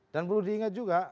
dan perlu diingat juga